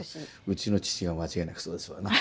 うちの父が間違いなくそうですわな。